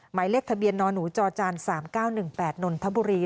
หมายเลขทะเบียนนหนูจอจาน๓๙๑๘นนทบุรี